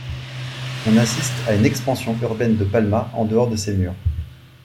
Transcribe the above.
On assiste à une expansion urbaine de Palma en dehors de ses murs.